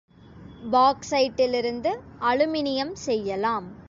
பாக்சைட்டிலிருந்து aluminium செய்யலாம்.